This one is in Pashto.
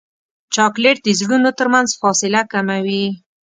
چاکلېټ د زړونو ترمنځ فاصله کموي.